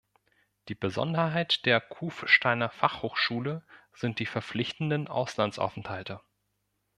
Die Besonderheit der Kufsteiner Fachhochschule sind die verpflichtenden Auslandsaufenthalte.